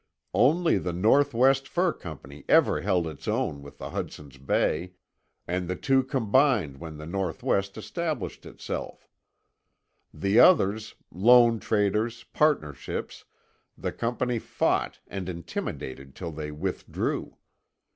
Only the Northwest Fur Company ever held its own with the Hudson's Bay, and the two combined when the Northwest established itself. The others, lone traders, partnerships, the Company fought and intimidated till they withdrew.